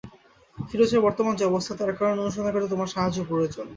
ফিরোজের বর্তমান যে-অবস্থা, তার কারণ অনুসন্ধান করতে তোমার সাহায্য প্রয়োজন।